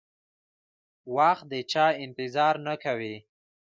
وخت د چا انتظار نه کوي.